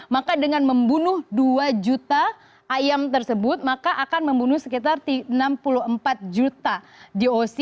maka dengan membunuh dua juta ayam tersebut maka akan membunuh sekitar enam puluh empat juta doc